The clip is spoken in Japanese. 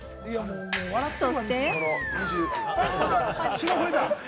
そして。